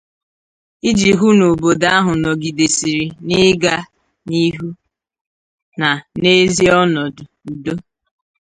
iji hụ na obodo ahụ nọgidesiri n'ịga n'ihu na n'ezi ọnọdụ udo